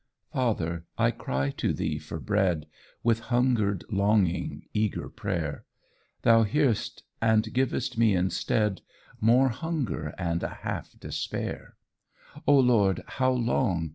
Father, I cry to thee for bread, With hungered longing, eager prayer; Thou hear'st, and givest me instead More hunger and a half despair. O Lord, how long?